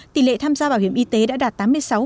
tỷ lệ tham gia bảo hiểm y tế đã đạt